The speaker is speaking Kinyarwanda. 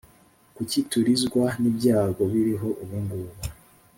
Kuki turizwa nibyago biriho ubungubu